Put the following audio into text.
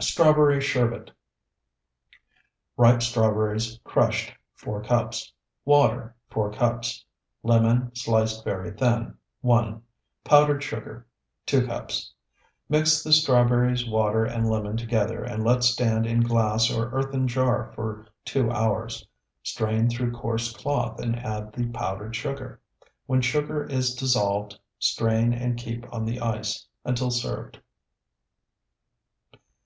STRAWBERRY SHERBET Ripe strawberries, crushed, 4 cups. Water, 4 cups. Lemon, sliced very thin, 1. Powdered sugar, 2 cups. Mix the strawberries, water, and lemon together, and let stand in glass or earthen jar for two hours; strain through coarse cloth and add the powdered sugar. When sugar is dissolved strain and keep on the ice until served.